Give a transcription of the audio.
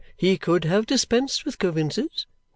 He could had dispensed with Coavinses.